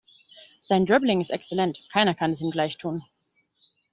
Sein Dribbling ist exzellent, keiner kann es ihm gleich tun.